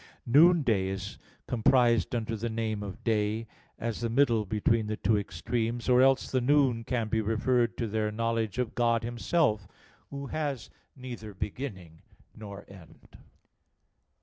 Noonday is comprised under the name of day, as the middle between the two extremes. Or else the noon can be referred to their knowledge of God Himself, Who has neither beginning nor end.